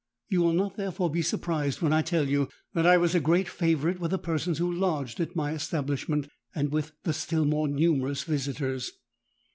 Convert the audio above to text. You will not therefore be surprised when I tell you that I was a great favourite with the persons who lodged at my establishment, and with the still more numerous visitors.